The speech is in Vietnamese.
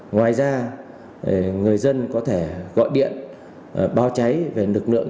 ngoài ra người dân có thể gọi điện bao cháy về lực lượng chữa cháy